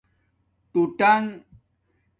ٹیݸنݣ